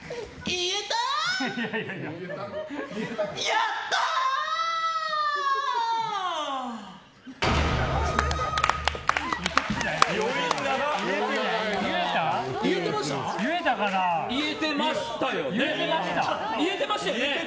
言えてましたよね？